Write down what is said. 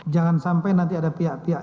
jangan sampai nanti ada pihak pihak